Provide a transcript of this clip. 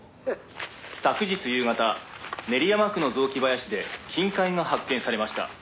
「昨日夕方練山区の雑木林で金塊が発見されました」